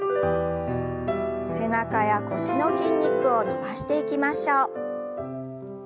背中や腰の筋肉を伸ばしていきましょう。